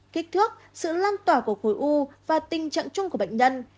kích thước sự lan tỏa của khối u và tình trạng chung của bệnh nhân